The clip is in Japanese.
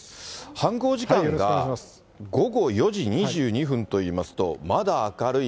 犯行時間が午後４時２２分といいますと、まだ明るい。